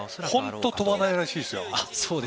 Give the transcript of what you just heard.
本当に飛ばないらしいです。